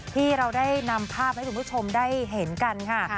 ที่เราได้นำภาพให้คุณผู้ชมได้เห็นกันค่ะ